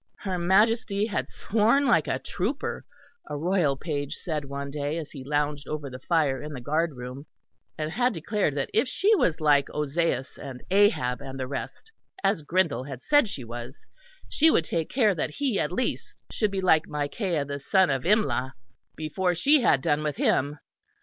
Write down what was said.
Her Majesty had sworn like a trooper, a royal page said one day as he lounged over the fire in the guard room, and had declared that if she was like Ozeas and Ahab and the rest, as Grindal had said she was, she would take care that he, at least, should be like Micaiah the son of Imlah, before she had done with him.